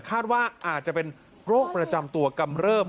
คาดว่าอาจจะเป็นโรคประจำตัวกำเริบ